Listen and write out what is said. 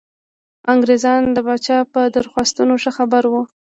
انګرېزان د پاچا په درخواستونو ښه خبر وو.